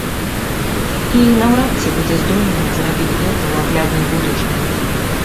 І наўрад ці будзе здольная зрабіць гэта ў агляднай будучыні.